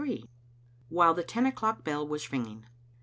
WHILE THE TEN O^CLOCK BELL WAS RINGING.